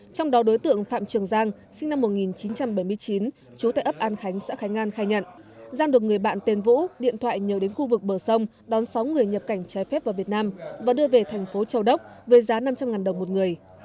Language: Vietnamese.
trong đó đối tượng phạm trường giang sinh năm một nghìn chín trăm bảy mươi chín chú tại ấp an khánh xã khánh an khai nhận giang được người bạn tên vũ điện thoại nhờ đến khu vực bờ sông đón sáu người nhập cảnh trái phép vào việt nam và đưa về thành phố châu đốc với giá năm trăm linh đồng một người